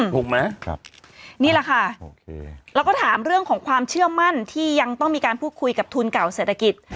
ถูกไหมครับนี่แหละค่ะแล้วก็ถามเรื่องของความเชื่อมั่นที่ยังต้องมีการพูดคุยกับทุนเก่าเศรษฐกิจ